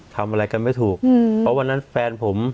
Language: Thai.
ทำอะไรกันไม่ถูกเพราะวันนั้นแฟนผม